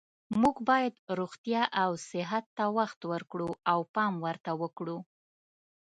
موږ باید روغتیا او صحت ته وخت ورکړو او پام ورته کړو